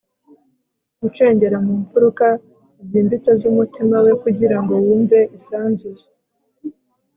gucengera mu mfuruka zimbitse z'umutima we kugirango wumve isanzure